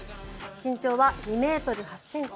身長は２ｍ８ｃｍ。